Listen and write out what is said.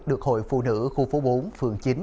được hội phụ nữ khu phố bốn phường chín